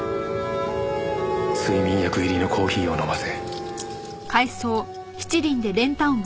睡眠薬入りのコーヒーを飲ませ。